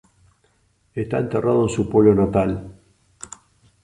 Está enterrado en su pueblo natal.